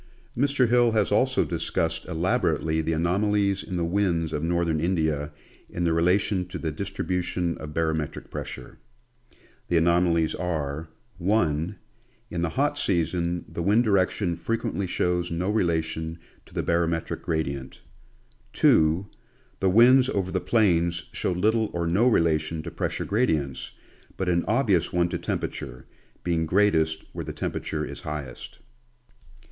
Mr. Hill has also discussed elaborately the anomalies in the winds of northern India in their relation to the distribution of barometric pressure. The anomalies are: — (1) in the hot season the wind direction frequently shows no relation to the barometric gradient; (2) the winds over the plains show little or no relation to pressure gradients, but an obvious one to temperature, being greatest where the temperature is highest.